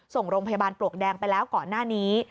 ส่งโรงพยาบาลปลวกแดงไปแล้วก่อนหน้านี้